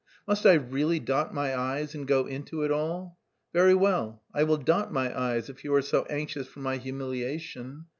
Must I really dot my i's and go into it all? Very well, I will dot my i's, if you are so anxious for my humiliation.